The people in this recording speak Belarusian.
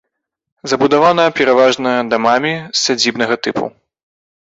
Забудавана пераважна дамамі сядзібнага тыпу.